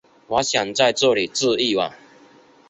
我想在这里住一晚